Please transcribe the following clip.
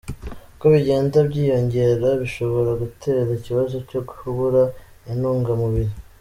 Uko bigenda byiyongera bishobora gutera ikibazo cyo kubura intungamubiri.